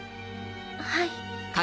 はい。